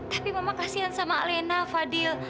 tapi mama kasian sama alena fadl